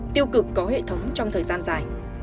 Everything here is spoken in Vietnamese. tiêu cực có hệ thống trong thời gian dài